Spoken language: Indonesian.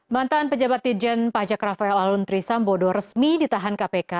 mantan pejabat dijen pajak rafael aluntri sambodo resmi ditahan kpk